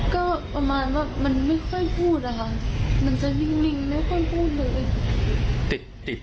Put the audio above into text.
ก็ประมาณว่ามันไม่ค่อยพูดอะค่ะมันจะนิ่งไม่ค่อยพูดเลย